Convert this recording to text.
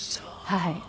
はい。